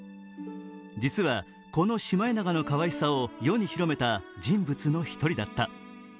実は、このシマエナガのかわいさを世に広めた人物の一人だった。